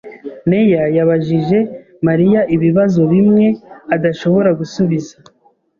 Meya yabajije Mariya ibibazo bimwe adashobora gusubiza.